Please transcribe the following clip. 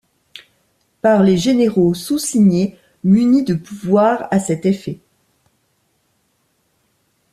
Par les généraux soussignés, munis de pouvoirs à cet effet.